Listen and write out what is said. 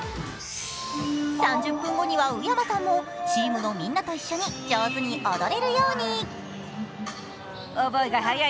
３０分後には、宇山さんもチームのみんなと一緒に上手に踊れるように。